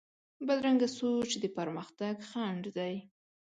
بدرنګه سوچ د پرمختګ خنډ دی